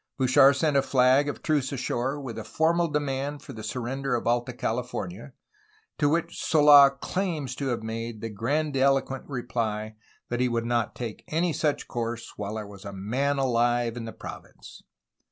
Bouchard sent a flag of truce ashore with a formal demand for the surrender of Alta California, to which Sola claims to have made the gran diloquent reply that he would not take any such course ^Vhile there was a man alive in the province.